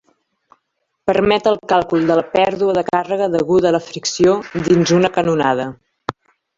Permet el càlcul de la pèrdua de càrrega deguda a la fricció dins una canonada.